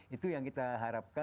itu yang kita harapkan